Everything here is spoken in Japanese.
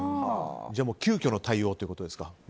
急きょの対応ということですか